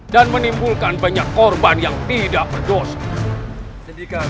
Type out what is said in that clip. dan menimbulkan banyak korban yang tidak berdosa